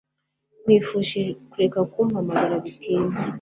Nkwifurije kureka kumpamagara bitinze.